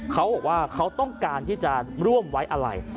เขาบอกว่าเขาต้องการที่จะร่วมไว้อะไร